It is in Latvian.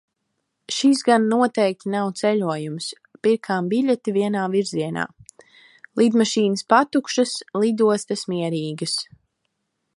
Šis gan noteikti nav ceļojums. Pirkām biļeti vienā virzienā. Lidmašīnas patukšas, lidostas mierīgas.